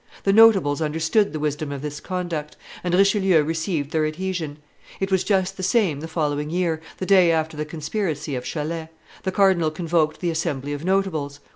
The Notables understood the wisdom of this conduct, and Richelieu received their adhesion. It was just the same the following year, the day after the conspiracy of Chalais; the cardinal convoked the Assembly of Notables.